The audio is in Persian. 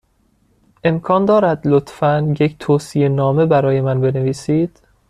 امکان دارد، لطفا، یک توصیه نامه برای من بنویسید؟